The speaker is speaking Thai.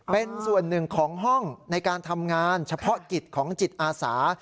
เป็นส่วนหนึ่งของห้องในการทำงานเฉพาะกิจของจิตอาสา